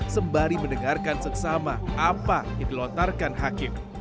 sembari mendengarkan seksama apa yang dilontarkan hakim